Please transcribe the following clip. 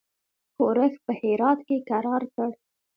ښورښ په هرات کې کرار کړ.